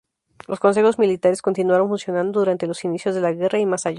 Los Consejos Militares continuaron funcionando durante los inicios de la guerra y más allá.